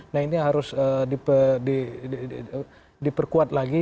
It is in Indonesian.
nah ini harus diperkuat lagi